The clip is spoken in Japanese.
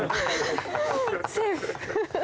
セーフ。